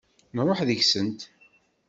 Nruḥ deg-sent.